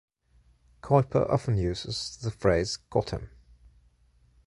Kuiper often uses the phrase Got 'em!